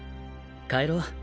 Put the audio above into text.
帰ろう。